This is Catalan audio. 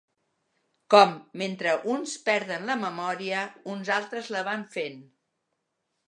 Com, mentre uns perden la memòria, uns altres la van fent.